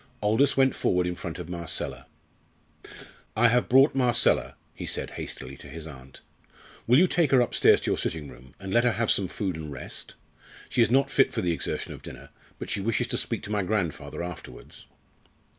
Aldous went forward in front of Marcella. "I have brought Marcella," he said hastily to his aunt. "Will you take her upstairs to your sitting room, and let her have some food and rest? She is not fit for the exertion of dinner, but she wishes to speak to my grandfather afterwards."